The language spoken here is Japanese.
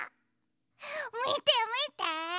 みてみて！